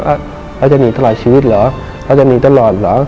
เราจะหนีตลอดชีวิตเหรอเราจะหนีตลอดเหรอ